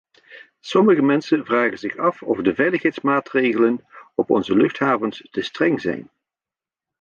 Sommige mensen vragen zich af of de veiligheidsmaatregelen op onze luchthavens te streng zijn.